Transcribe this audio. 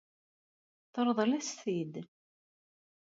Teṛḍel-as-t-id?